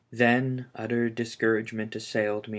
Then utter discouragement assailed me, I * M.